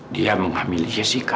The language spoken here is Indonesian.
dia menghamil jessica